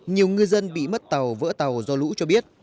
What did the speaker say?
nhiều ngư dân bị mất tàu vỡ tàu do lũ cho biết